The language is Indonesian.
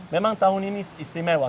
memang tahun ini istimewa